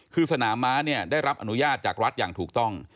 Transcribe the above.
คือสนามม้าเนี่ยได้รับอนุญาตจากรัฐอย่างถูกต้อง